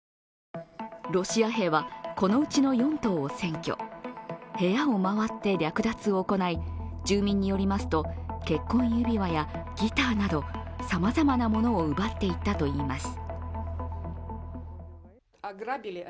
ロシア兵はこのうちの４棟を占拠部屋を回って略奪を行い、住民によりますと、結婚指輪やギターなどさまざまなものを奪っていったといいます。